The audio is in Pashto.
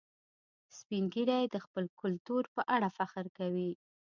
سپین ږیری د خپل کلتور په اړه فخر کوي